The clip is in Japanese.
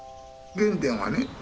原点はね